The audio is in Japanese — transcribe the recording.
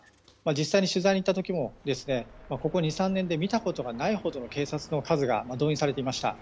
実際に取材に行った時もここ２３年で見たことがないほどの警察の数が動員されていました。